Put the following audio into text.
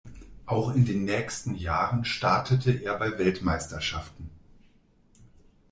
Auch in den nächsten Jahren startete er bei Weltmeisterschaften.